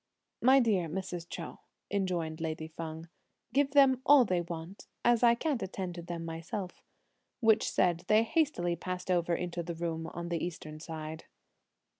"My dear Mrs. Chou," enjoined lady Feng, "give them all they want, as I can't attend to them myself;" which said, they hastily passed over into the room on the eastern side.